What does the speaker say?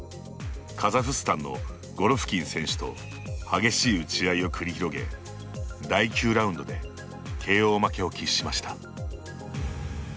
カザフスタンのゴロフキン選手と激しい打ち合いを繰り広げ第９ラウンドでＫＯ負けを喫しました。